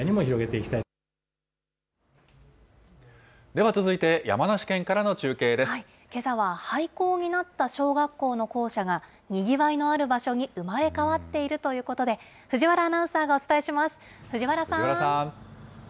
では続いて、けさは、廃校になった小学校の校舎が、にぎわいのある場所に生まれ変わっているということで、藤原アナウンサーがお伝えします。